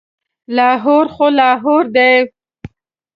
لاهور خو لاهور دی.